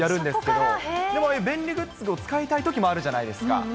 でも便利グッズを使いたいときもあるじゃないですか。